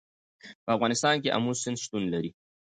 په افغانستان کې آمو سیند شتون لري.